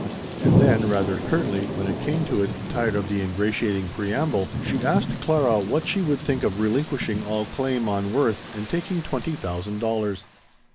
And then, rather curtly when it came to it, tired of the ingratiating preamble, she asked Clara what she would think of relinquishing all claim on Worth and taking twenty thousand dollars.